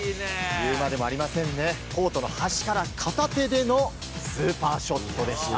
言うまでもありませんねコートの端から片手でのスーパーショットでした。